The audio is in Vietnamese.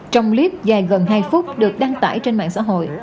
trong clip dài gần hai phút được đăng tải trên mạng xã hội